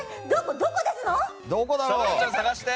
どこですの？